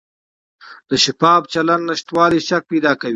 د شفاف چلند نشتوالی شک پیدا کوي